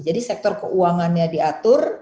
jadi sektor keuangannya diatur